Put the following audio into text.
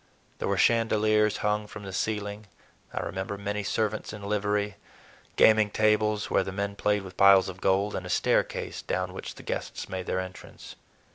There were chandeliers hung from the ceiling, I remember, many servants in livery, gaming tables where the men played with piles of gold, and a staircase down which the guests made their entrance.